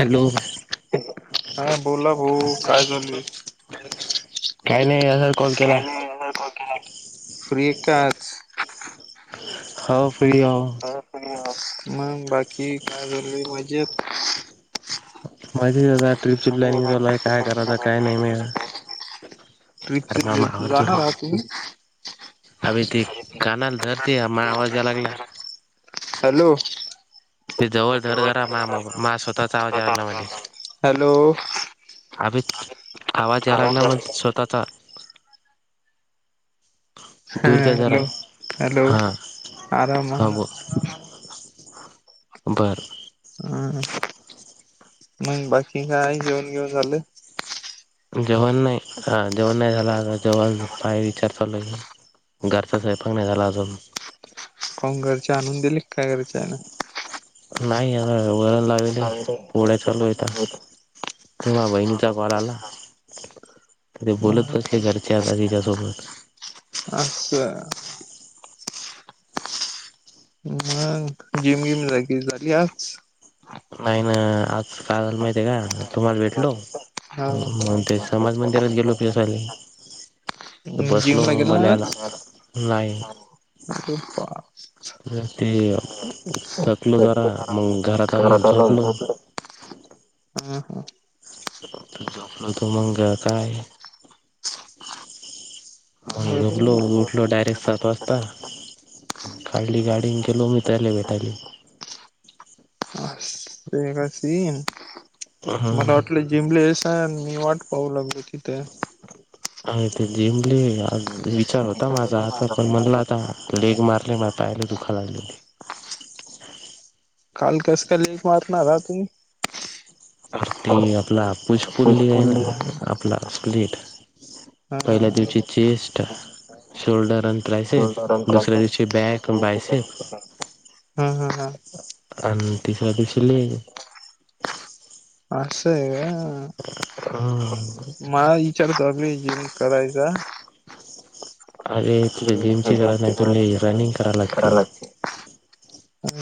Hello हा बोला भाऊ काय झालय विषय? काही नाही असच. काय नाही असच फोन केला. [unintelligible] मग बाकी काय चाललय मजेत? [unintelligible] चालू आहे [unintelligible] काय करायचं काय नाही मी जाणार अरे आहात. मामा ह [inaudible] अभे ते कनाल धर ती ह महा आवाज यायला लागला. हॅलो ते जवळ धर जरा मा मा स्वतःचा आवाज यायला लागला हॅलो अभीत आवाज यायला लागला मग हा स्वतःचा. हां दूर जा जरा हॅलो हॅलो हा आराम [unintelligible] ना बर हम्म मग बाकी काय जेवण बीवन झाल? जेवण नाही हं जेवण नाही झाल अ जेवायला बाहेर विचार चालू आहे. घरचा स्वयंपाक नाही झाला अजून. काहून घरचे आणून दिली काय घरचाला. नाही आर वरण लावेलय लागले पोळ्या चालू आहेता. तेव्हा वहिणीचा कॉल आला. ते बोलत बसले घरचे आता तिच्यासोबत. आस. मग जीम गिम झाली तुझी आज? नाहीना आज काय झाल माहिते का तुम्हाला भटलो हा मग तेच. हनुमान मंदिरात गेलो [unintelligible] तर जिम बसलो ला गेला ना आज [unintelligible] नाही. [unintelligible] ते थकलो जरा मग घरात आलो झोपलो. हम्म हम्म झोपलो होतो मग हा काय? मग बरं झोपलो उठलो डयरेक्ट सात बसता काढली गाडी गेलो मित्राले भेटायले. ते [unintelligible] मला हम्म वाटल जिमले येसान मी वाट पाहू लागलो तिथ. ह ते जिंमले विचार होता माझा आता पण म्हणला आता लेग मारले माझा पाय लय दुख [unintelligible] ले काल कस काय लेग मारणार आहात तुम्ही? ते आपला पुसपुल डे आहे ना. पुष्पुंनी आपला स्लीट पहिला हा. त्याचा चेस्ट, शोल्डर. [unintelligible] से हम्म. दुसऱ्या दिवशी बॅग बायसे. हा हा हा आणि तिसऱ्या दिवशी लेग. आसय का? हां मला विचार करायलोय जिम करायचा अरे तुझ्या जिमची गरज नाही तुले रनिंग करायला लागते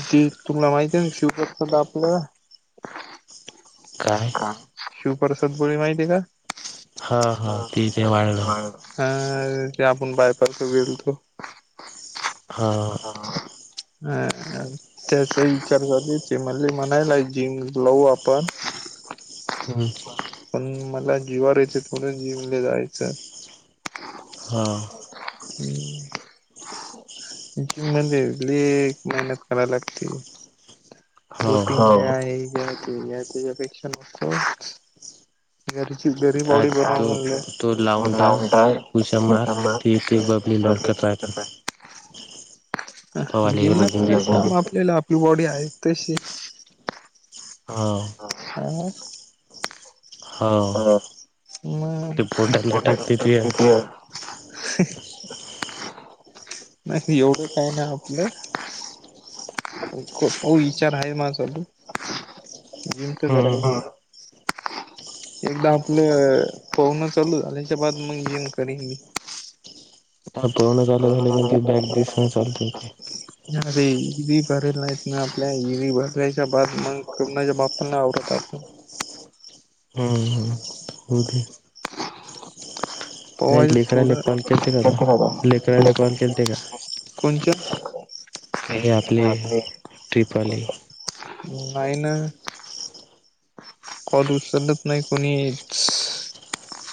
जी तुला माहिती आहे ना शिवप्रसाद आपलं काय शिवप्रसाद [inaudible] माहिती आहे का हा हा ठीक आहे वाढलं हां [inaudible] आपण बायपारक गेलतो हा अ त्याचा विचार करचे म्हणले म्हणायला जिम लावू आपण [unintelligible] पण मला जीवावर येतं थोडं जिमला जायचं हा [inaudible] एक मेहनत कराय लागती [inaudible] हो आहे ते या त्यांच्यापेक्षा [inaudible] घरी घरी आ बॉडी बनव तो म्हणलं तो टाक लावून पुशप मार ते ते बबली लडकत राहतात पवायला गेलो की [inaudible] [inaudible] दिसतात आपल्याला ती बॉडी आहे तशी हा हा हो हा ते पोटाला मग टाकते [inaudible] ते नाही एवढं काय नाही आपलं हो विचार आहे माझं तू जिमच करायच एकदा आपलं [inaudible] चालू झाल्याच्या बाद मग मी जिम करीन मी हा पूर्ण चालू झालं [inaudible] पण ती [inaudible] दिसून चालते अरे ईदी भरला नाहीत ना आपल्या ईदी भरायच्या बाद मग कुणाच्या बापाना आवडत नाय आपण हम्म हो ते हो नाही [inaudible] लेकराला कॉल केलते का तो थोडं लेकराला कॉल केलते का कोणत्या हे आपले ट्रिप आली नाही ना फोन उचलत नाही कोणीच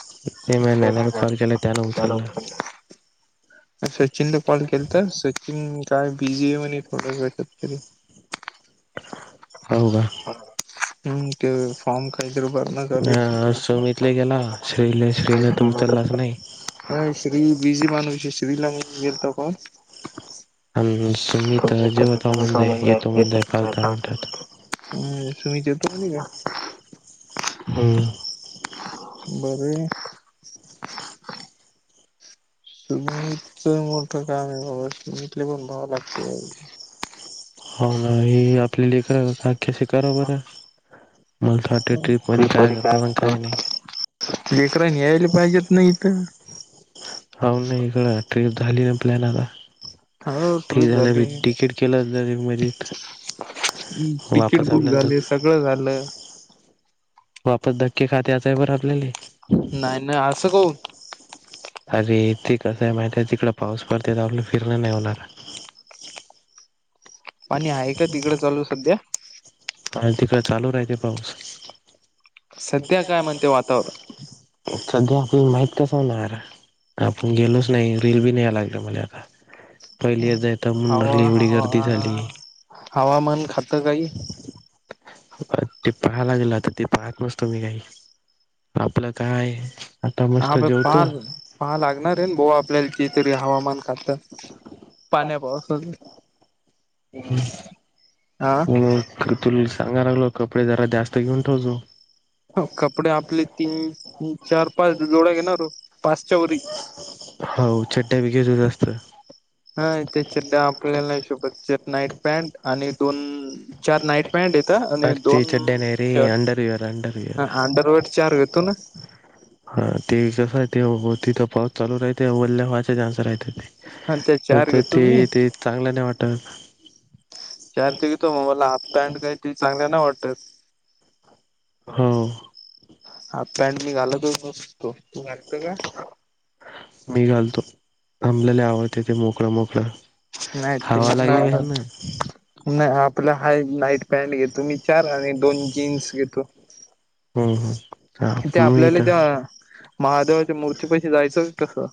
[inaudible] महिन्याने कॉल केला त्यानं उचलला सचिनला कॉल केलता सचिन काय बिझी आहे म्हणे [inaudible] हो का हम्म ते फॉर्म [inaudible] बर हा समीतले गेला श्री श्रीने तो उचललाच नाही नाही श्री बिझी माणूस श्री ला [inaudible] कॉल आणि सुमित जेवत म्हणजे येतो म्हणजे पाच दहा मिनिटात [unintelligible] हम्म [inaudible] का हम बरं हाय सुमितच मोठं काम आहे बाबा सुमितला पण भावं लागतंय हा हे आपल्या लेकर [inaudible] कसे करा बरं मला तर वाटते ट्रीप का मध्ये काय करतात आणि काय नाही लेकररानी यायला पाहिजेत ना इथं हो ना इकडं ट्रीप झाली ना प्लॅन आता हो ट्रिप फिरायला झाली भी तिकीट केलं दरी मरीत, वापस आल्याल तर क झालं. वापस धक्के खात याचाय वरं आपल्याली. नाय नाय आसं कऊन. अरे ते कसंय माहितय आहे, तिकडं पाऊस पडते त आपलं फिरण नाही होणार. पाणी आहे का तिकडं चालू सध्या. आण तिकडं चालू राहीले पाऊस. सध्या काय मंते वातावरण. सध्या आपल्याल माहित कसं होणार. आपुण गेलोच नाही. रील बी न्याय लागलं मने आता. पहिली येजायता मुणडरली हवा एवढी गर्दी झाली. हवा हवामान खातं काही. अ ते पाहाय लागेलं आता. ते पाहात बसतो मी काही. आपलं काय आहे. आता हा मस्त प पहा जेवतो. पहा लागणार आहे न बोआ, आपल्याला की तरी हवामान खातं. पाण्या पावसानं हम आ. खर तुला सांगाय लागलो. कपडे जरा जास्त घेऊन ठेवतो. हो कपडे आपले तीन, चार-पाच जोड घेणार ओ. हो छड्डा बी घे जा जास्त. हय त्या चड्ड्या आपल्याला सोबत येत नाईत. पॅन्ट आणि दोन चार नाईट पॅन्ट येतं आणि ते दोन चड्ड्या नाही रे शर्ट. अंडरविअर अंडरविअर ह आंडरवर्ड चार येतो न. हा ते कसं आहे ते, तिथं पाऊस चालू राहते वल्ल्या [unintelligible] ते. आणि त्या चार होत घेतो मी ते ते, चांगलं नाही वाटत. चार ते घेतो म मला. हाफ पॅन्ट काही ती चांगल्या नाही वाटत. हो हाप पॅन्ट मी घालतच नसतो. तू घालत का. मी घालतो. आमल्याल्या आवडते ते मोकळ मोकळ. नाही ते हावा मग लागली नाही पाहिजे घालत ना आत. नाही आपलं हाय नाईट पॅन्ट घेतो मी चार आणि दोन जीन्स घेतो. हम्म हम्म हा त्या मी आपल्याले तर त्या महादेवाच्या मूर्तीपशी जायचं कसं.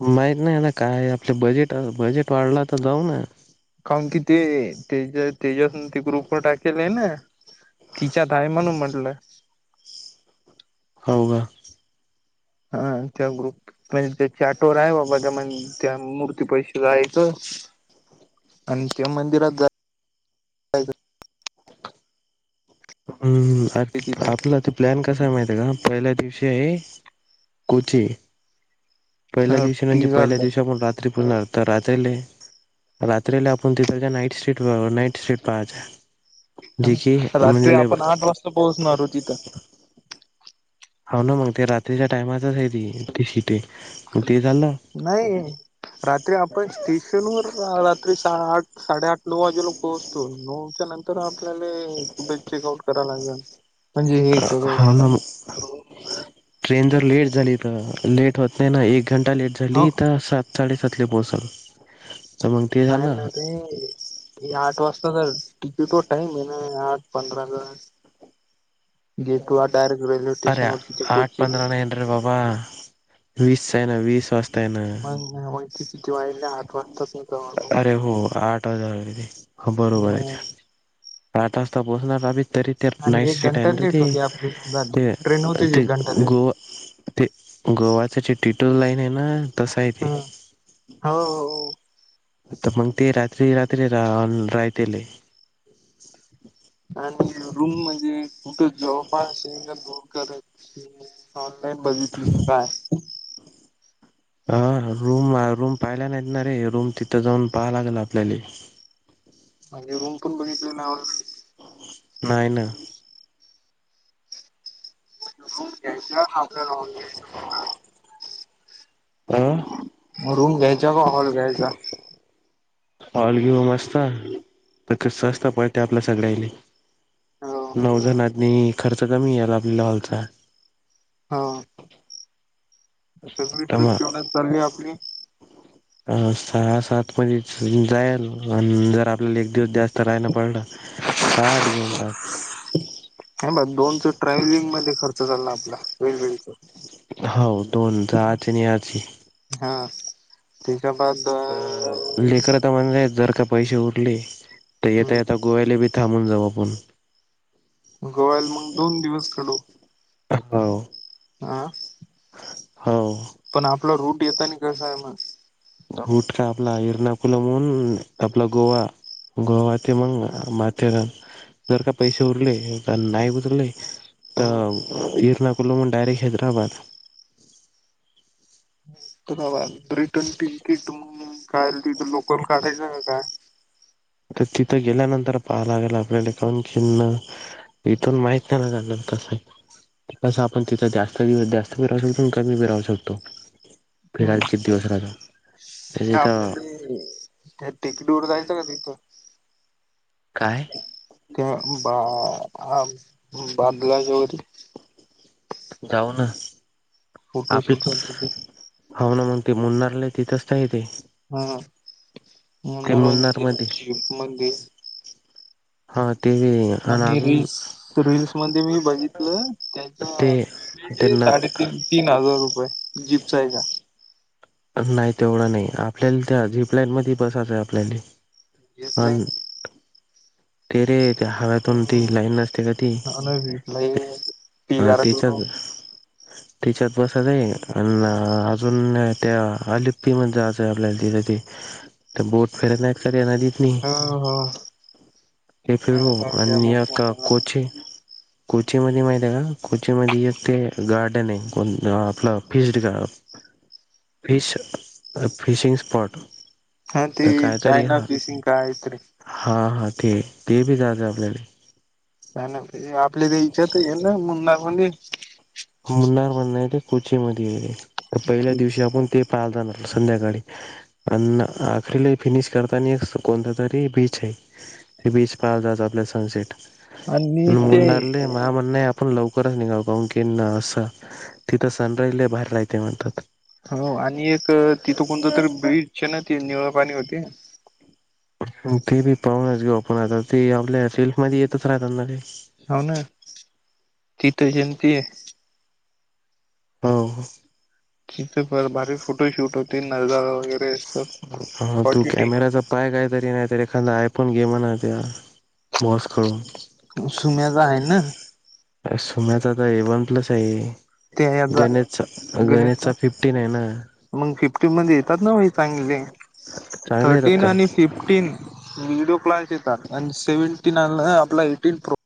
माहित नाही ना कायय आपलं बजेट. बजेट वाढला तर जाऊ ना. काउन की ते, तेज्यातेज्यातून ते ग्रुप वर टाकतील नाई ना. तिच्यात आहे म्हणून म्हटलं. हाव गा. हा त्या ग्रुप, म्हणजे त्या चॅटवर आहे बाबा त्या मं त्या मूर्तीपशी. जायचं आण त्या मंदिरात जा हम्म् तिथं आपला ते प्लॅन कसा आहे माहितय का? पहिल्या दिवशी आहे कोची. पहिल्या दिवशी म्हणजे पहिल्या दिवशी आपण रात्री पूजणार तर रात्रीले. रात्रीला आपण तिथंच्या नाईट स्वीट नाईट स्वीट पाहाच. ह. रात्री आपण आठ वाजता पोहोचणार आहोत तिथं. हाव ना मग. ते रात्रीच्या टाईमातच आहे ती, ती शिटी. नाई. रात्री आपण स्टेशन वर रात्री सहा आठ साडेआठ नऊ वाजेला पोहोचतो. नऊच्या नंत तर आपल्याले कुठे चेकआउट करा लागनं म्हणजे हे सगळं? हा ना ट्रेन जर लेट झाली तर, लेट होत नाही ना एक घंटा लेट हो झाली तर अस साडेसातला पोहचन तर मग ते झालं, हूं... आठ वाजताचा टिकीटवर टाईम हे ना आठ पंधराचा. गेटवर डायरेक्ट रेल्वे स्टेशनवरती त आठ पोहोचीन. पंधरा नाही अरे बाबा वीस आहे ना, वीस वाज मग नाही होत ते [unintelligible] आठ वाजता अरे हो आठ वाजायला आलेले हो बरोबर मग आहे. आठ वाजता पोचणार आमी तरी ते नाईट आणि एक स्ट्रिट आहे घंटा ना लेट रे होती आपली समजा ते ट्रेन ते होतीच ते एक घंटा लेट गोवा, ते गोवाचं जे टिटर लाईन आहे ना, तसं आहे ते. होअ... तर मग ते रात्री-रात्री राहून राहतेले आणि रूम म्हणजे कुठं जवळपास दोर करायची. ऑनलाईन बघू त शकात ह रूम -रूम पाहायला नाहीत ना रे, रूम तिथं जाऊन पहा लागल आपल्याले. म्हणजे रूम पण बघितले नाय [unintelligible] नाही ना.. [inaudible] आं.. मग रूम घ्यायचा, का हॉल घ्यायचा? हॉल घेऊ मस्त तर कस असत बेटर न सगळ्याले. नऊ जणातनी खर्च कमी येईल आपल्याला हॉलचा. हा फॅमिली ट्रिप तमा केवढयात चाललीये आपली. अ सहा-सात मधेच जायल आणि जर आपल्याला एक दिवस जास्त राहायना पडलं, ताट घेऊन टाक. नाही बघ दोनच ट्रॅव्हलिंग मध्ये खर्च चालला आपला वेगवेगळीचं. हो दोन जाआची आणि याची. हा तेके बाद दोन लेकरं तर म्हणलेत जर का पैसे उरले तर येता-येता, गोव्याले बी थांबून जाऊ आपण. गोव्याले मग दोन दिवस काडू आं... हाव. पण आपला, रूट येतानी कसा आहे मग? रूट काय आपला, एर्णा पूलावून आपला गोवा. गोवा ते मंग माथेरान. जर का पैसे उरले, येताना नाही गुजरले तर एरणा कुलाम्हून, डायरेक्ट हैदराबाद. त गावात रिटर्न तिकीट म.. काढली तर लोकल काढायचं का काय? तर तिथं गेल्यानंतर पाहायला लागेल आपल्याले खाऊन-खीणं इथून माहित नाही, ना जाणार कसं आहे? तसं आपण तिथं, जास्त दिवस जास्त बी राहू शकतो आणि कमी बी राहू शकतो. हम् फिरायला किती दिवस राहता? हे आपल्याले, त्या टेकडीवर जायचं का तिथं? काय? त्या बा, बांदलाच्या [unintelligible] वरी. जाऊ ना. फोटोशूट आपीच साठी ते हावना मग ते म्हणुन राहिले तिथंच तर आहे ते. हा, ते मूण्णार मुन्नार रावांचे मध्ये जिफ मधी. हा, ते हे आणि रील्स, रील्स मध्ये मी बघितलं त्याचा, ते बी ड्रेस त्यांना साडेतीन-तीन हजार रुपये, जीप्सायचा आहे त्या. तसं नाही, तेवढा नाही आपल्याला त्या झीपलाईन मध्ये, बसायचंय आपल्याले. Zip line. ते, रे त्या हव्यातून ती लाईन नसते का ते? आणि घेतलाय ती हां गार दोन तिच्यात, हो तिच्यात बसायचं आहे अन अजून त्या अलिप्पीती मध्ये जायचंय आपल्याला तिथं ते त्या बोट फिरत नाहीत का रे त्या नदीत नी. हा हा. ते फिरू आणि या का मोठमोठा कोचे कोचीमध्ये माहिती आहे का? कोची मध्ये एक ते गार्डन आहे कोण आपलं फिस्डं गा [inaudible] फिश, फिशिंग-स्पॉट. हा ते चायना फिशिंग काय तरी. हा हा ते, ते बी जायचयं आपल्याले. त्याना आपल्या ते इच्यात येईल ना मुन्नार, मून्नी. मुन्नार म्हणणं आहे ते कोची मध्ये आहे. तर पहिल्या दिवशी आपण ते पाहात जाणार संध्याकाळी. प्रन्नं आखरीला ही फिनिश करताना एक कोणता तरी बीच आहे? ते बीच पाहायला जायचं आपल्याला सनसेट. आणि ते मुंन्नारले मायं म्हणणं आपण लवकरच निघावं कावून की इन्नं असं तिथं सनराईज लई भारी राहीते म्हणतात. हो आणि एक तिथं कोणतं तर ब्रीज आहे ना तिथं निळं पाणी होते? अन ते बी पाहूनच घेऊ आपण आता ते आपल्या सेल्फ मध्ये येतंच राहतं ना रे. हौ नं, तिथं जैनती हे. हो. तिथं, फार भारी फोटोशूट होतील नजारा वगैरे असत हा, तू क्वालिटी कॅमेऱ्याचा पाहे काहीतरी नाहीतर एखादा आयफोन घे म्हणा त्या बॉस कडून. सुम्याचा आहे ना? अं सुम्याचाच आहे, वन प्लस आहे. त्या याचा गणेश, गणेश गणेशचा चा फिफ्टीन आहे ना? मग फिफ्टी मध्ये येतात ना भाई चांगले, चांगले येतात थर्टीन का आणि फिफ्टीन व्हडिओ क्लास येतात आणि सेव्हन्टीन आलायं आपला एटीन प्रो